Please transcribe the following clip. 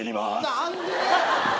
何で！？